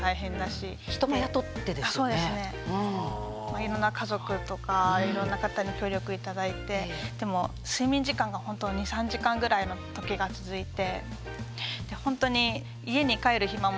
まあいろんな家族とかいろんな方に協力頂いてでも睡眠時間がほんと２３時間ぐらいのときが続いてほんとに家に帰る暇もなくて。